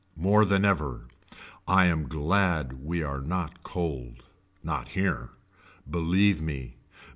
More than ever. I am glad we are not cold. Not here. Believe me.